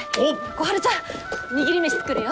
小春ちゃん握り飯作るよ！